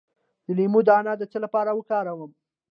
د لیمو دانه د څه لپاره وکاروم؟